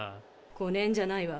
５年じゃないわ。